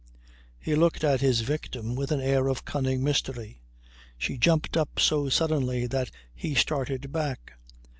He looked at his victim with an air of cunning mystery. She jumped up so suddenly that he started back.